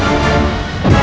aku sudah menang